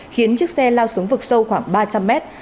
khiến chiếc xe lao xuống vực sâu khoảng ba trăm linh mét